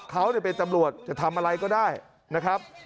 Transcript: เขาเป็นตำรวจจะทำอะไรก็ได้นะครับ